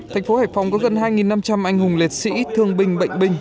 thành phố hải phòng có gần hai năm trăm linh anh hùng liệt sĩ thương binh bệnh binh